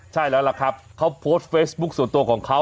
ใช่แล้วล่ะครับเขาโพสต์เฟซบุ๊คส่วนตัวของเขา